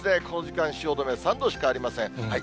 この時間、汐留３度しかありません。